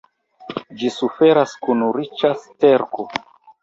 Ĝi suferas kun riĉa sterko.